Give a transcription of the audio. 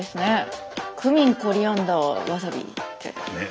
クミンコリアンダーワサビって。